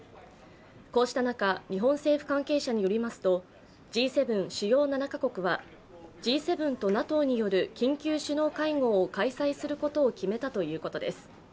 こうした中、日本政府関係者によりますと、Ｇ７＝主要７か国はＧ７とＮＡＴＯによる緊急首脳会合を開催することを決めたということです。